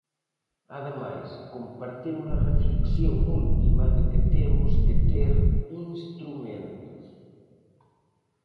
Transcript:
Ademais, compartimos a reflexión última de que temos que ter instrumentos.